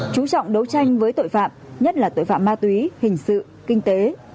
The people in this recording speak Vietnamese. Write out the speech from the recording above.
chú trọng đấu tranh với tội phạm nhất là tội phạm ma túy hình sự kinh tế